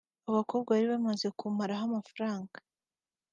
abakobwa bari bamaze kumaraho amafaranga